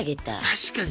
確かに。